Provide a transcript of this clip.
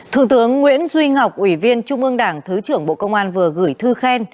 thượng tướng nguyễn duy ngọc ủy viên trung ương đảng thứ trưởng bộ công an vừa gửi thư khen